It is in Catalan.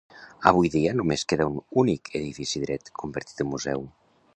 Avui dia només queda un únic edifici dret convertit en museu.